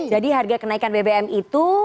jadi harga kenaikan bbm itu